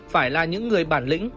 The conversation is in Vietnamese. phải là những người bản lĩnh